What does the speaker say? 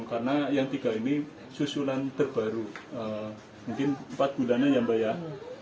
karena yang tiga ini susulan terbaru mungkin empat bulannya yang banyak